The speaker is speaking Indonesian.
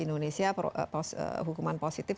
indonesia hukuman positif